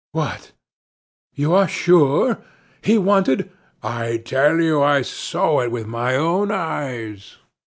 "What! you are sure? He wanted " "I tell you I saw it with my own eyes."